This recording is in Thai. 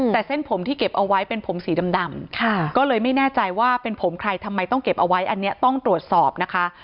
แต่เส้นผมที่เก็บเอาไว้เป็นผมสีดำก็เลยไม่แน่ใจว่าเป็นผมใครทำไมต้องเก็บเอาไว้อันนี้ต้องตรวจสอบนะคะ